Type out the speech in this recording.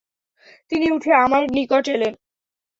তিনি উঠে আমার নিকট এলেন।